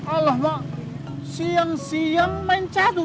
alamak siang siang main catur